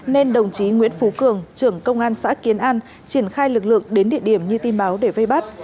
nên đồng chí nguyễn phú cường trưởng công an xã kiến an triển khai lực lượng đến địa điểm như tin báo để vây bắt